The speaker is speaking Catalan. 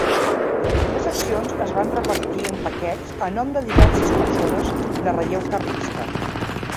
Les accions es van repartir en paquets a nom de diverses persones de relleu carlista.